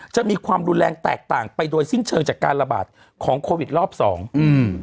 จะมีความรุนแรงแตกต่างไปโดยสิ้นเชิงจากการระบาดของโควิดรอบสองอืม